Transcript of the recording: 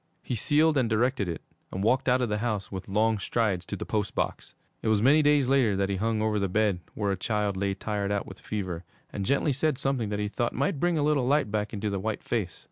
He sealed and directed it and walked out of the house, with long strides, to the post box. It was many days later that he hung over the bed where a child lay tired out with fever, and gently said something that he thought might bring a little light back into the white face.